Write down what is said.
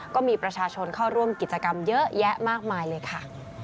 ก็มีประชาชนเข้าร่วมกิจกรรมเยอะแยะมากมายเลยค่ะ